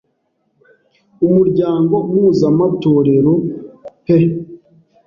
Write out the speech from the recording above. umuryango mpuzamatorero pe,